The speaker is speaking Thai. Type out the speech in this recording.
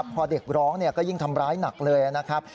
พอเด็กร้องก็ยิ่งทำร้ายหนักเลยนะครับ